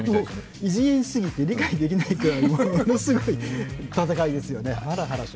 異次元すぎて理解できないくらい、ものすごい戦いですよね。